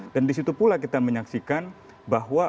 dan disitu pula kita menyaksikan bahwa